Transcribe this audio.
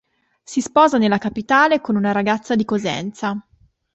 Si sposa nella capitale con una ragazza di Cosenza.